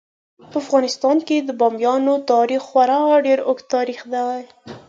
په افغانستان کې د بامیان تاریخ خورا ډیر اوږد تاریخ دی.